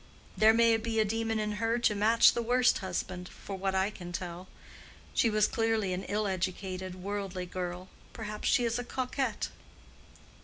There may be a demon in her to match the worst husband, for what I can tell. She was clearly an ill educated, worldly girl: perhaps she is a coquette."